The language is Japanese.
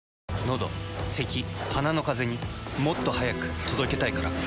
のどせき鼻のカゼにもっと速く届けたいから。